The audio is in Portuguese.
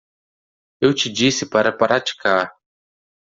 Eu te disse para praticar.